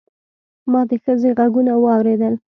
ما د ښځې غږونه واورېدل.